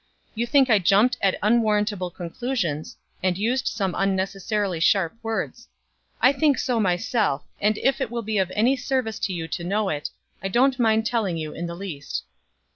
You think I jumped at unwarrantable conclusions, and used some unnecessarily sharp words. I think so myself, and if it will be of any service to you to know it, I don't mind telling you in the least."